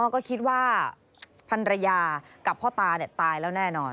ก็คิดว่าพันรยากับพ่อตาตายแล้วแน่นอน